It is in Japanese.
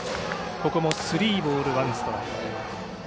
ここもスリーボールワンストライク。